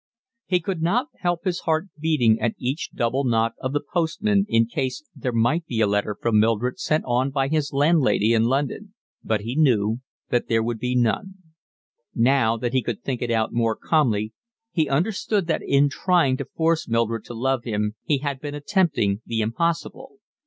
He could not help his heart beating at each double knock of the postman in case there might be a letter from Mildred sent on by his landlady in London; but he knew that there would be none. Now that he could think it out more calmly he understood that in trying to force Mildred to love him he had been attempting the impossible.